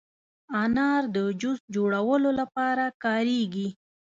انار د جوس جوړولو لپاره کارېږي.